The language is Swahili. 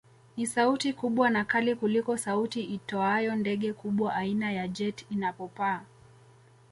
Ni sauti kubwa na kali kuliko sauti itoayo ndege kubwa aina ya jet inapopaa